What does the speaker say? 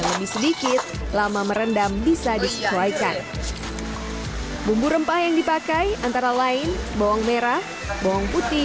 lebih sedikit lama merendam bisa disesuaikan bumbu rempah yang dipakai antara lain bawang merah bawang putih